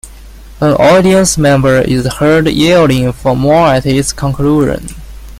An audience member is heard yelling for more at its conclusion.